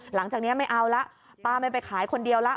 หลังจากนี้ไม่เอาละป้าไม่ไปขายคนเดียวแล้ว